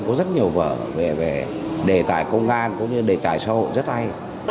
có rất nhiều vở về đề tài công an cũng như đề tài xã hội rất hay